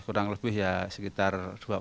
ya kurang lebih ya sekitar dua puluh